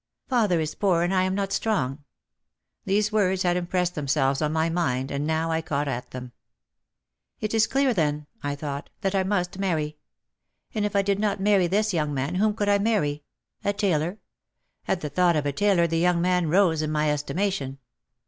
"Father is poor and I am not strong." These words had impressed themselves on my mind and now I caught at them. "It is clear then," I thought, "that I must marry. And if I did not marry this young man whom could I marry? A tailor?" At the thought of a tailor the young man rose in my estimation.